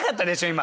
今。